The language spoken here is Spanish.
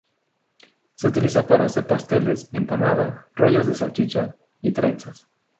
Se utiliza para hacer pasteles, empanadas, rollos de salchichas y trenzas.